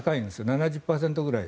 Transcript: ７０％ぐらい。